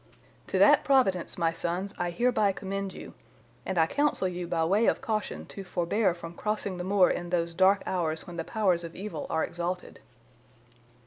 To that Providence, my sons, I hereby commend you, and I counsel you by way of caution to forbear from crossing the moor in those dark hours when the powers of evil are exalted.